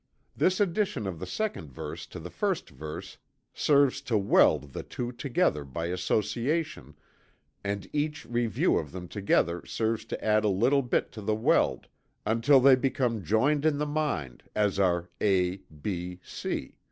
This addition of the second verse to the first serves to weld the two together by association, and each review of them together serves to add a little bit to the weld, until they become joined in the mind as are "A, B, C."